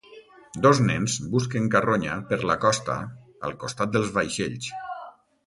Dos nens busquen carronya per la costa al costat dels vaixells.